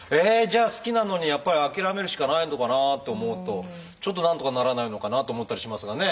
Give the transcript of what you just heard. じゃあ好きなのにやっぱり諦めるしかないのかなと思うとちょっとなんとかならないのかなと思ったりしますがね。